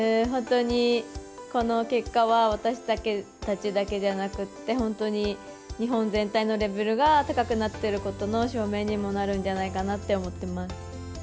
この結果は私たちだけじゃなくて本当に日本全体のレベルが高くなっていることの証明にもなるんじゃないかと思ってます。